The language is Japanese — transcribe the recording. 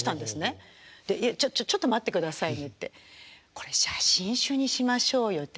「これ写真集にしましょうよ」って。